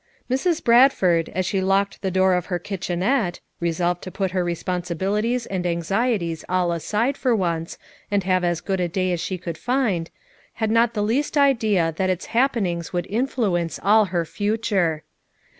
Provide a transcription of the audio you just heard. Mrs. Bradford, as she locked the door of her kitchenette — resolved to put her responsibilities and anxieties all aside for once and have as good a day as she could find, had not the least idea that its happenings would influence all her future.